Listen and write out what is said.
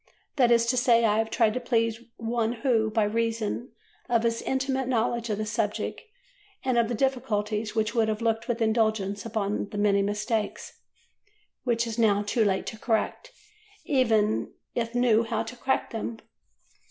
That is to say, I have tried to please one who, by reason of his intimate knowledge of the subject and of the difficulties, would have looked with indulgence upon the many mistakes which it is now too late to correct, even if knew how to correct them.